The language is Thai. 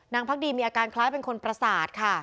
พักดีมีอาการคล้ายเป็นคนประสาทค่ะ